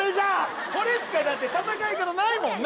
これしかだって戦い方ないもんね